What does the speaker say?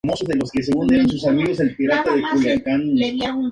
Brink, sus amigos y su familia celebran la victoria largamente esperada.